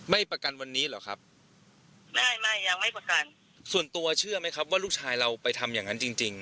ไม่ไหวเหมือนกันแล้วเนาะ